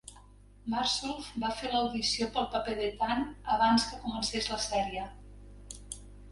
Martsolf va fer l'audició pel paper d'Ethan abans que comencés la sèrie.